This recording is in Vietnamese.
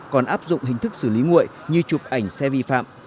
còn áp dụng hình thức xử lý nguội như chụp ảnh xe vi phạm